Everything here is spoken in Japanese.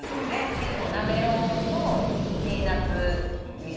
いつもなめろうとピーナツ味噌？